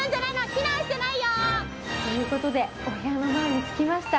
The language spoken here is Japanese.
避難してないよ！という事でお部屋の前に着きました。